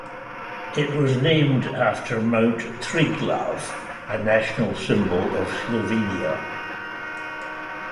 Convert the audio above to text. It was named after Mount Triglav, a national symbol of Slovenia.